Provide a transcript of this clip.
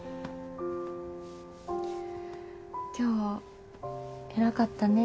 今日偉かったね。